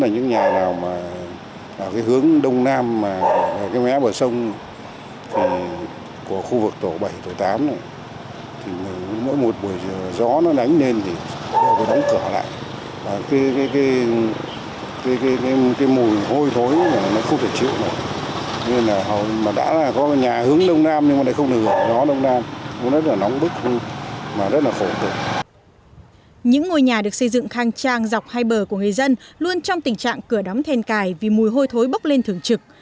những ngôi nhà được xây dựng khang trang dọc hai bờ của người dân luôn trong tình trạng cửa đóng thèn cài vì mùi hôi thối bốc lên thường trực